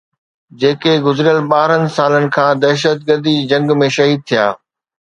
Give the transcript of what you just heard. جيڪي گذريل ٻارهن سالن کان دهشتگرديءَ جي جنگ ۾ شهيد ٿيا